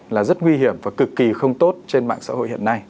là rất nguy hiểm và cực kỳ không tốt trên mạng xã hội hiện nay